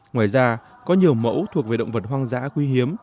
ngoài ra có nhiều mẫu thuộc về động vật hoang dã quý hiếm